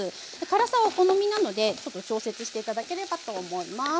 辛さはお好みなのでちょっと調節して頂ければと思います。